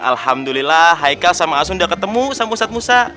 alhamdulillah aikal sama asunda ketemu sama ustadz musa